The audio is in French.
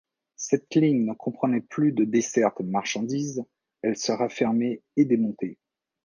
Cette ligne ne comprenait plus de desserte marchandises, elle sera fermée et démontée.